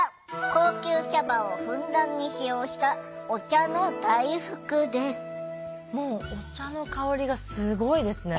高級茶葉をふんだんに使用したもうお茶の香りがすごいですね。